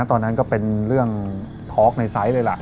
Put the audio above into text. ตอนนั้นก็เป็นเรื่องทอล์กในไซส์เลยล่ะ